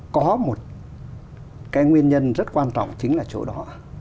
có một cái nguyên nhân rất quan trọng chính là chỗ đó